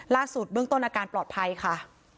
ล่าสุดเบื้องต้นอาการปลอดภัยค่ะ